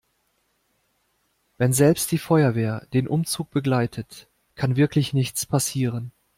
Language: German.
Wenn selbst die Feuerwehr den Umzug begleitet, kann wirklich nichts passieren.